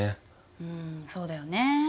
うんそうだよね。